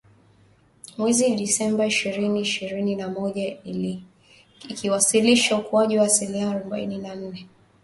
mwezi Disemba ishirini ishirini na moja ikiwasilisha ukuaji wa asilimia arobaini nne